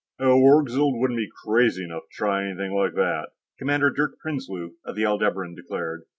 "Oh, Orgzild wouldn't be crazy enough to try anything like that," Commander Dirk Prinsloo, of the Aldebaran, declared.